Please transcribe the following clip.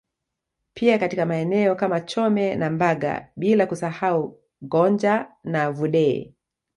Pia katika maeneo kama Chome na Mbaga bila kusahau Gonja na Vudee